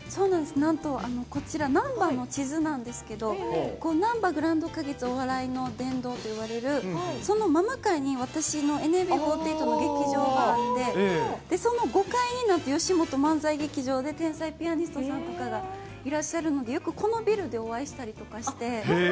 なんと、こちら、なんばの地図なんですけど、なんばグランド花月、お笑いの殿堂といわれる、その７階にわたしのＮＭＢ４８の劇場があって、その５階になんとよしもと漫才劇場で、天才ピアニストさんとかがいらっしゃるので、よくこのビルでお会いしたりとかして。